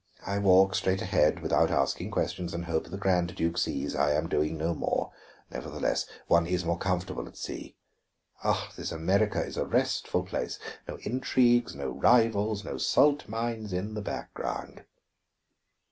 I walk straight ahead without asking questions, and hope the Grand Duke sees I am doing no more; nevertheless, one is more comfortable at sea. Ah, this America is a restful place! No intrigues, no rivals, no salt mines in the background."